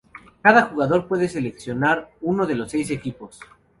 Cada jugador puede seleccionar uno de los seis equipos.